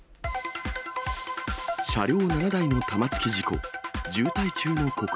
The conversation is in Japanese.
車両７台の玉突き事故。